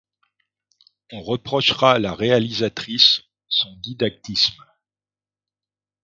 On reprochera à la réalisatrice son didactisme.